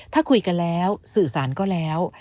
ถ้าคุยกันแล้วสื่อสารก็แล้ว